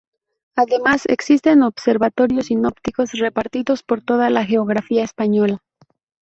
Además, existen observatorios sinópticos repartidos por toda la geografía española.